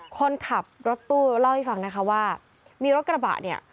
คนขับรถตู้เล่าให้ฟังนะคะว่ามีรถกระบะเนี่ย